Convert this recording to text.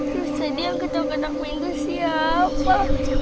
terus tadi yang ketok ketok pintu siapa